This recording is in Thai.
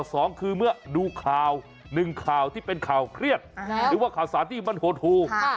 สองคือเมื่อดูข่าวหนึ่งข่าวที่เป็นข่าวเครียดหรือว่าข่าวสารที่มันโหดหู